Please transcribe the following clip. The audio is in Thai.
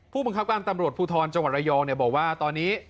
ผู้บังคับการตำรวจภูทรจังหวัดระยองบอกว่าตอนนี้